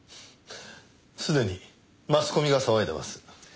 すでにマスコミが騒いでます。